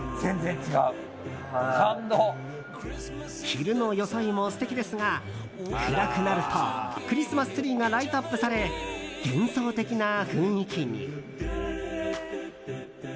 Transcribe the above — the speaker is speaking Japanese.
昼の装いも素敵ですが暗くなるとクリスマスツリーがライトアップされ幻想的な雰囲気に。